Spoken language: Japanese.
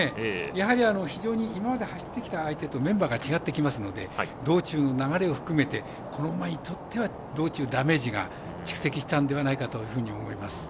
やはり非常に今まで走ってきたメンバーと違ってますので道中の流れを含めてこの馬にとっては道中、ダメージが蓄積したんではないかと思います。